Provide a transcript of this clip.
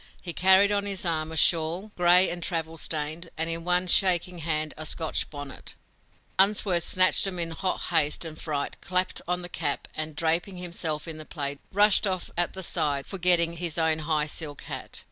He carried on his arm a shawl, gray and travel stained, and in one shaking hand a Scotch bonnet. Unsworth snatched them in hot haste and fright, clapped on the cap, and, draping himself in the plaid, rushed off at the side, forgetting his own high silk hat.